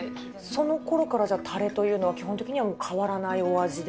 そのころからたれというのは、基本的には変わらないお味で？